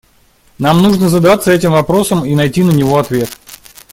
Нам нужно задаться этим вопросом и найти на него ответ.